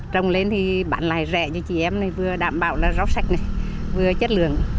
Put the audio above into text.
trồng lên thì bản lại rẻ cho chị em vừa đảm bảo rau sạch vừa chất lượng